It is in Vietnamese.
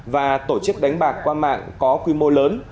và tổ chức đánh bạc qua mạng có quy mô lớn